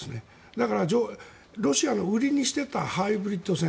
だから、ロシアが売りにしていたハイブリッド戦。